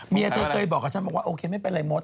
เมียเธอเคยบอกกับฉันไม่เป็นไรมส